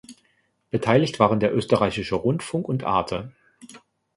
Beteiligt waren der Österreichische Rundfunk und Arte.